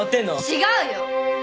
違うよ！